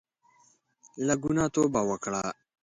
له ګناه توبه وکړه.